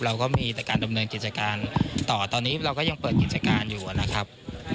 เราก็มีแต่การดำเนินกิจการต่อตอนนี้เราก็ยังเปิดกิจการอยู่นะครับ